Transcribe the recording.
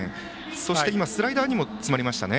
そして、スライダーにも詰まりましたね。